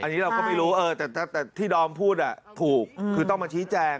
อันนี้เราก็ไม่รู้แต่ที่ดอมพูดถูกคือต้องมาชี้แจง